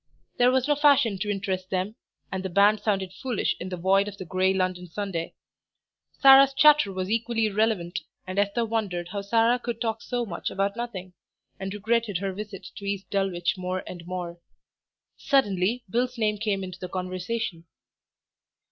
There was no fashion to interest them, and the band sounded foolish in the void of the grey London Sunday. Sarah's chatter was equally irrelevant, and Esther wondered how Sarah could talk so much about nothing, and regretted her visit to East Dulwich more and more. Suddenly Bill's name came into the conversation.